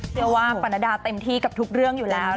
เชื่อว่าปรณดาเต็มที่กับทุกเรื่องอยู่แล้ว